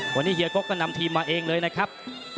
วันนี้เฮียก๊กก็นำทีมมาเองเลยนะครับ